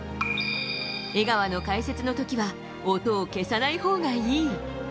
江川の解説の時は音を消さないほうがいい。